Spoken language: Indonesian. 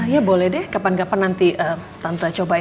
ya boleh deh kapan kapan nanti tante coba ya